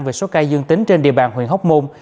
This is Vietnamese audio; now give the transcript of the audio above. về số ca dương tính trên địa bàn huyện hóc môn